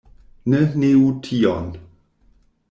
Ne neu tion.